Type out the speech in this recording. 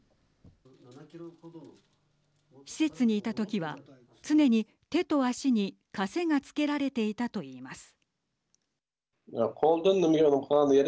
施設にいたときは、常に手と足にかせがつけられていたといいます。